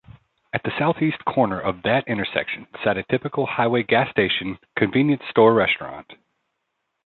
At the southeast corner of that intersection sat a typical highway gas station-convenience store-restaurant.